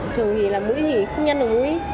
thường thì là mũi thì không nhăn được mũi